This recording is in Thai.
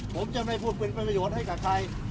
ผมจะไม่พูดเป็นประโยชน์ให้กับใคร